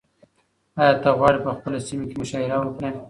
ایا ته غواړې په خپله سیمه کې مشاعره وکړې؟